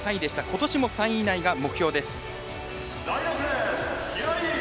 今年も３位以内が目標です。